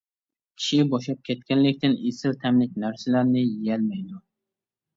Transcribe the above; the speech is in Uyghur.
چىشى بوشاپ كەتكەنلىكتىن ئېسىل تەملىك نەرسىلەرنى يېيەلمەيدۇ.